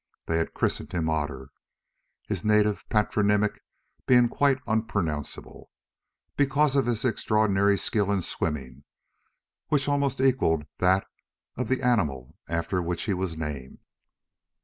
They had christened him Otter, his native patronymic being quite unpronounceable, because of his extraordinary skill in swimming, which almost equalled that of the animal after which he was named.